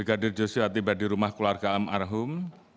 brigadir joshua tiba di rumah keluarga almarhum